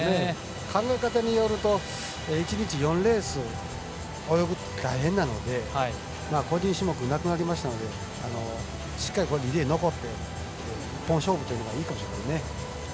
考え方によると１日４レース泳ぐって大変なので個人種目がなくなりましたのでしっかりリレーで残って１本勝負というのはいいかもしれませんね。